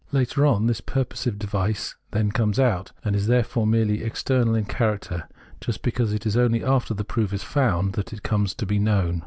Later on this pur posive device then comes out, and is therefore merely external in character, just because it is only after the proof is found that it comes to be known.